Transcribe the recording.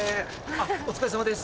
あっお疲れさまです。